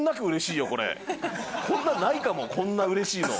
こんなんないかもこんなうれしいの。